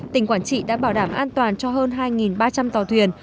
tỉnh quảng trị đã bảo đảm an toàn cho hơn hai ba trăm linh tàu thuyền